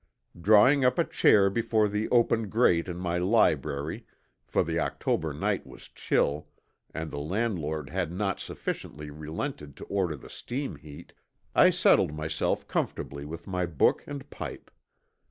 Drawing up a chair before the open grate in my library, for the October night was chill and the landlord had not sufficiently relented to order the steam heat, I settled myself comfortably with my book and pipe.